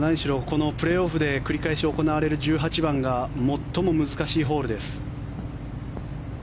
このプレーオフで繰り返し行われる１８番が最も難しいホールです。